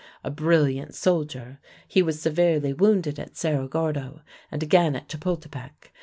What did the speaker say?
A brilliant soldier, he was severely wounded at Cerro Gordo and again at Chapultepec.